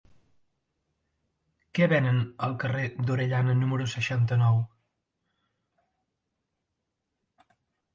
Què venen al carrer d'Orellana número seixanta-nou?